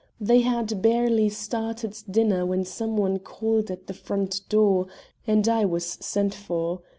They had barely started dinner when some one called at the front door, and I was sent for.